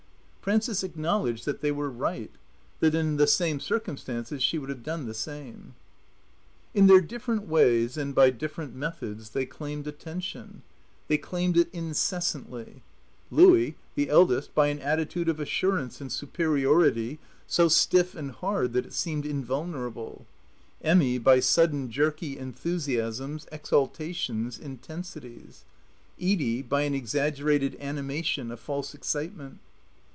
Frances acknowledged that they were right, that in the same circumstances she would have done the same. In their different ways and by different methods they claimed attention. They claimed it incessantly, Louie, the eldest, by an attitude of assurance and superiority so stiff and hard that it seemed invulnerable; Emmy by sudden jerky enthusiasms, exaltations, intensities; Edie by an exaggerated animation, a false excitement.